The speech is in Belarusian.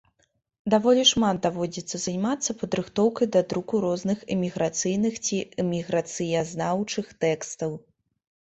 Даволі шмат даводзіцца займацца падрыхтоўкай да друку розных эміграцыйных ці эміграцыязнаўчых тэкстаў.